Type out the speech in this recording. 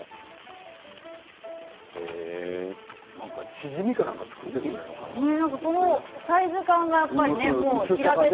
チヂミかなんか作っているみたいだね。